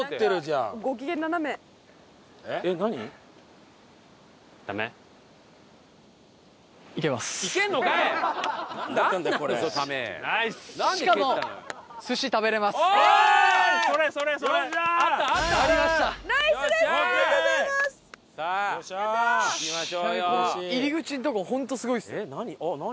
あっ何？